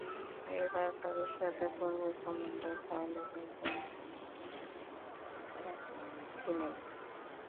কিন্তু এবার তাদের সাথে পূর্বের কমান্ডার হযরত খালিদ রাযিয়াল্লাহু আনহু ছিলেন না।